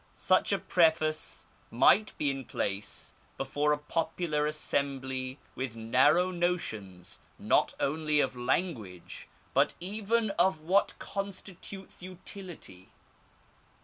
Such a preface might be in place before a popular assembly with narrow notions not only of language but even of what constitutes utility.